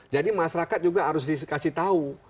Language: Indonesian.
jadi masyarakat juga harus dikasih tahu